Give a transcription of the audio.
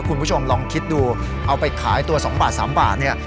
คุณผู้ชมลองคิดดูเอาไปขายตัว๒บาท๓บาทเนี่ย